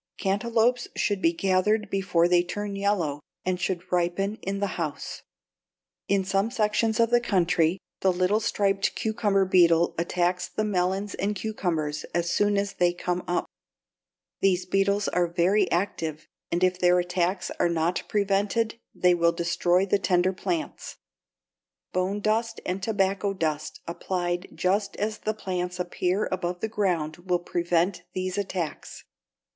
Cantaloupes should be gathered before they turn yellow and should be ripened in the house. [Illustration: FIG. 92. STRIPED CUCUMBER BEETLE AND LARVA All magnified] In some sections of the country the little striped cucumber beetle attacks the melons and cucumbers as soon as they come up. These beetles are very active, and if their attacks are not prevented they will destroy the tender plants. Bone dust and tobacco dust applied just as the plants appear above the ground will prevent these attacks.